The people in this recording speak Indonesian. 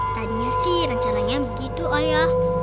tadinya sih rencananya begitu ayah